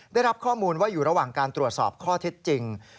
ได้รับข้อมูลว่าอยู่ระหว่างการตรวจสอบข้อเท็จจริง